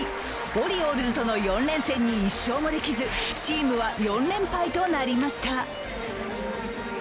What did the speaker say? オリオールズとの４連戦に１勝もできずチームは４連敗となりました。